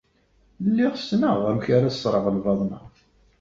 Lliɣ ssneɣ amek ara ṣṣreɣ lbaḍna.